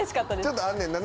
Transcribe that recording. ちょっとあんねんな。